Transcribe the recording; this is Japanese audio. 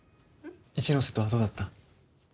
一ノ瀬とはどうだった？